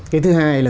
cái thứ hai là